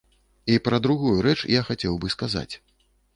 І пра другую рэч я хацеў бы сказаць.